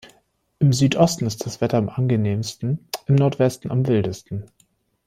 Im Südosten ist das Wetter am angenehmsten, im Nordwesten am wildesten.